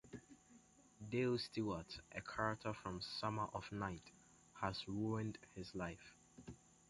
Dale Stewart, a character from "Summer of Night", has ruined his life.